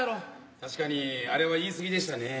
確かにあれは言い過ぎでしたね。